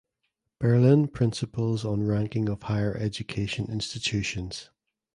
Berlin Principles on Ranking of Higher Education Institutions.